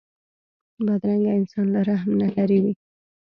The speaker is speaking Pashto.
بدرنګه انسان له رحم نه لېرې وي